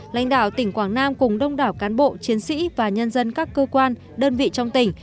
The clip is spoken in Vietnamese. lãnh đạo tỉnh quảng nam cùng đông đảo cán bộ chiến sĩ và nhân dân các cơ quan đơn vị trong tỉnh